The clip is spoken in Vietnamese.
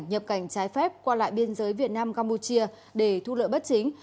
nhập cảnh trái phép qua lại biên giới việt nam campuchia để thu lợi bất chính